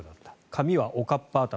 髪はおかっぱ頭。